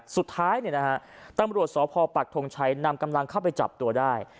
สุดท้ายตำรวจสพปักทงชัยนำกำลังเข้าไปจับตัวได้